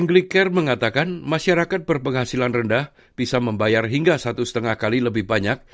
gliker mengatakan masyarakat berpenghasilan rendah bisa membayar hingga satu lima kali lebih banyak